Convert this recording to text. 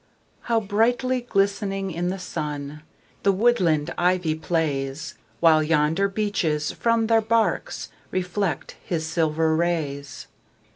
How brightly glistening in the sun The woodland ivy plays! While yonder beeches from their barks Reflect his silver rays.